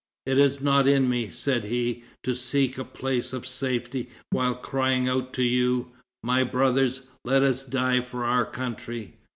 "It is not in me," said he, "to seek a place of safety while crying out to you, '_My brothers, let us die for our country!